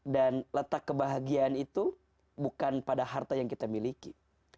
dan letak kebahagiaan itu bukan pada harta yang kita miliki